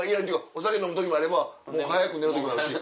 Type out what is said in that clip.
お酒飲む時もあれば早く寝る時もあるし